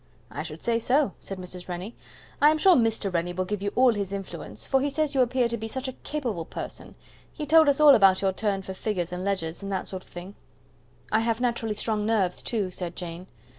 "I should say so," said Mrs. Rennie. "I am sure Mr. Rennie will give you all his influence, for he says you appear to be such a capable person. He told us all about your turn for figures and ledgers, and that sort of thing." "I have naturally strong nerves, too," said Jane.